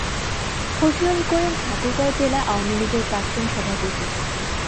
ফজলুল করিম ঠাকুরগাঁও জেলা আওয়ামী লীগের প্রাক্তন সভাপতি।